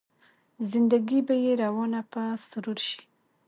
زنده ګي به يې روانه په سرور شي